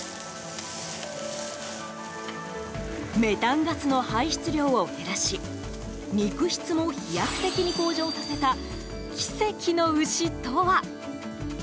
メタンガスの排出量を減らし肉質も飛躍的に向上させた奇跡の牛とは。